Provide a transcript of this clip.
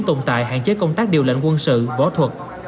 tồn tại hạn chế công tác điều lệnh quân sự võ thuật